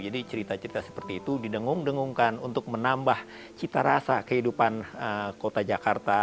jadi cerita cerita seperti itu didengung dengungkan untuk menambah cita rasa kehidupan kota jakarta